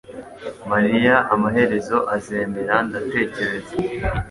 mariya amaherezo azemera ndatekereza